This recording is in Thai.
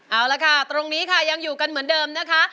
เอาละค่ะตรงนี้ค่ะยังอยู่กันเหมือนเดิมนะคะ